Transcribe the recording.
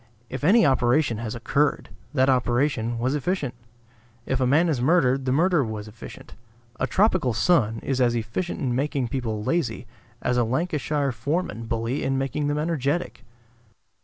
If any operation has occurred, that operation was efficient. If a man is murdered, the murder was efficient. A tropical sun is as efficient in making people lazy as a Lancashire foreman bully in making them energetic.